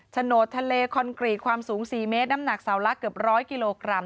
โนดทะเลคอนกรีตความสูง๔เมตรน้ำหนักเสาละเกือบ๑๐๐กิโลกรัม